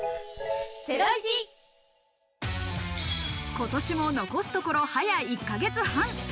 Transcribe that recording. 今年も残すところ早１か月半。